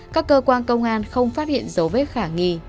các cơ quan công an không phát hiện dấu vết khả nghi